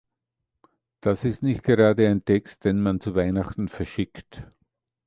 Das ist nicht gerade ein Text, den man zu Weihnachten verschickt.